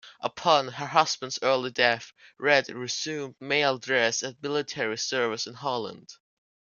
Upon her husband's early death, Read resumed male dress and military service in Holland.